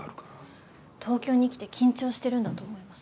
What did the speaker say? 東京に来て緊張してるんだと思います。